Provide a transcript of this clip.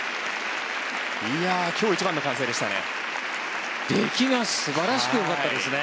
今日一番の歓声でしたね。